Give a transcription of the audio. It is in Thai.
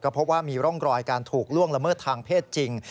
พบว่ามีร่องรอยการถูกล่วงละเมิดทางเพศจริง